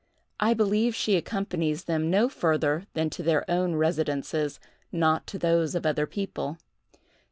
I believe she accompanies them no further than to their own residences, not to those of other people.